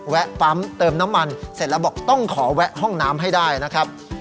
ปั๊มเติมน้ำมันเสร็จแล้วบอกต้องขอแวะห้องน้ำให้ได้นะครับ